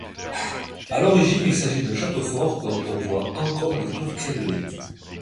À l'origine il s'agit d'un château fort dont on voit encore les tours crénelées.